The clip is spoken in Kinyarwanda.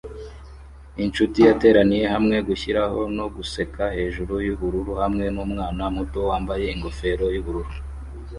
Inshuti yateraniye hamwe gushiraho no guseka hejuru yubururu hamwe numwana muto wambaye ingofero yubururu